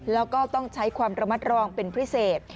แล้วก็ต้องใช้ความระมัดระวังเป็นพิเศษ